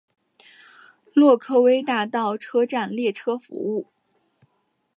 洛克威大道车站列车服务。